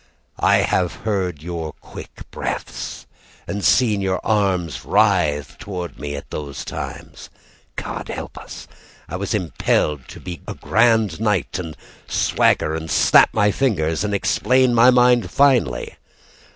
I have heard your quick breaths And seen your arms writhe toward me; At those times God help us I was impelled to be a grand knight, And swagger and snap my fingers, And explain my mind finely.